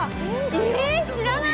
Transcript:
ええー知らない！